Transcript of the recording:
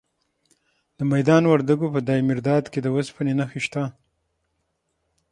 د میدان وردګو په دایمیرداد کې د وسپنې نښې شته.